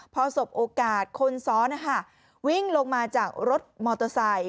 พอสบโอกาสคนซ้อนวิ่งลงมาจากรถมอเตอร์ไซค์